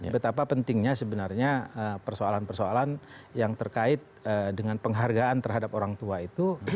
betapa pentingnya sebenarnya persoalan persoalan yang terkait dengan penghargaan terhadap orang tua itu